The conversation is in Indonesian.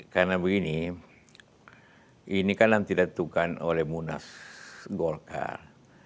karena begini ini kan yang tidak ditentukan oleh munas golkar